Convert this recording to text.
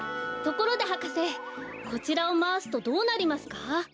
ところで博士こちらをまわすとどうなりますか？